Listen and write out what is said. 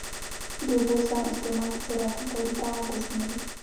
د اوبو سم استعمال د زراعتي تولید دوام تضمینوي.